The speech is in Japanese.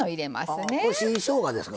これ新しょうがですか？